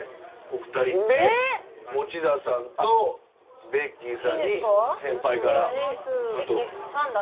んで持田さんとベッキーさんに先輩から。